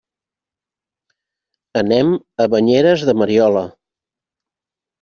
Anem a Banyeres de Mariola.